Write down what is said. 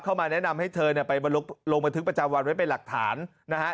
เข้ามาแนะนำให้เธอลงบันทึกประจำวันไว้เป็นหลักฐานนะฮะ